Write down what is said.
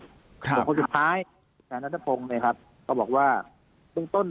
ใหม่ครับครับสุดท้ายแผ่นนัตรภงศ์เนี่ยครับก็บอกว่าต้นต้น